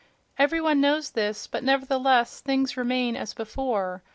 Every one knows this, but nevertheless things remain as before.